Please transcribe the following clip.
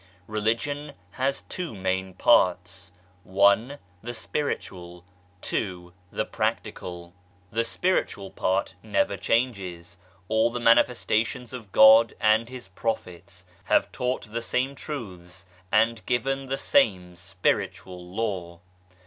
Religion has two main parts : (1) The Spiritual. (2) The Practical. The Spiritual part never changes. All the Manifesta tions of God and His Prophets have taught the same Truths and given the same Spiritual Law.